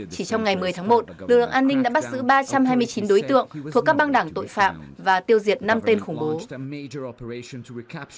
chỉ trong ngày một mươi tháng một lực lượng an ninh đã bắt giữ ba trăm hai mươi chín đối tượng thuộc các băng đảng tội phạm và tiêu diệt năm tên khủng bố